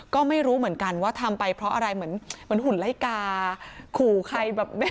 ก็ไม่รู้เหมือนกันว่าทำไปเพราะอะไรเหมือนหุ่นไล่กาขู่ใครแบบ